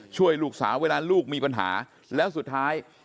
ช่วยลูกสาวเวลาลูกมีปัญหาแล้วสุดท้าย